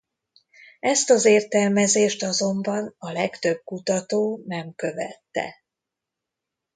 Ezt az értelmezést azonban a legtöbb kutató nem követte.